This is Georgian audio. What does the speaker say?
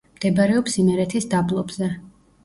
მდებარეობს იმერეთის დაბლობზე.